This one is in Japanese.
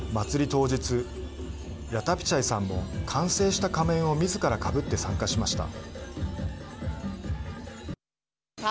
当日ヤタピチャイさんも完成した仮面をみずからかぶって参加しました。